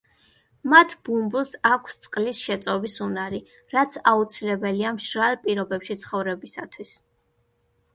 მათ ბუმბულს აქვს წყლის შეწოვის უნარი, რაც აუცილებელია მშრალ პირობებში ცხოვრებისათვის.